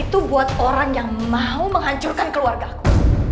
itu buat orang yang mau menghancurkan keluarga aku